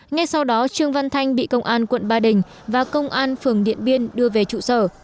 ngay sau đó trương văn thanh bị công an quận ba đình và công an phường điện biên đưa về trụ sở